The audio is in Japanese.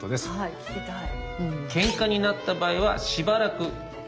聞きたい。